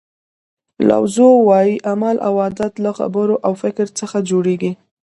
لاو زو وایي عمل او عادت له خبرو او فکر څخه جوړیږي.